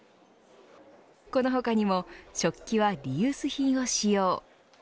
この他にも食器はリユース品を使用。